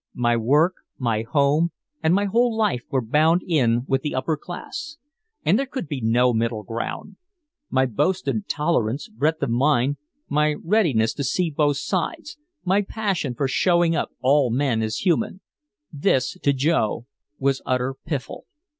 My work, my home and my whole life were bound in with the upper class. And there could be no middle ground. My boasted tolerance, breadth of mind, my readiness to see both sides, my passion for showing up all men as human this to Joe was utter piffle.